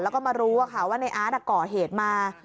แล้วก็มารู้ว่าในอาร์ตก่อเหตุมา